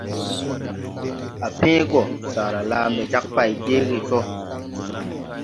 À pẽẽ go, saara laa mbɛ jag pay jeege so.